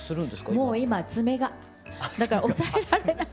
もう今爪がだから押さえられない。